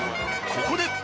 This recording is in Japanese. ここで。